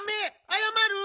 あやまる！